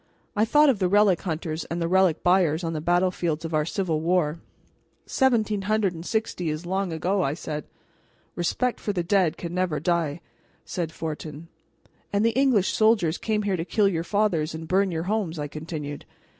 I thought of the relic hunters and the relic buyers on the battlefields of our civil war. "Seventeen hundred and sixty is long ago," I said. "Respect for the dead can never die," said Fortin. "And the English soldiers came here to kill your fathers and burn your homes," I continued.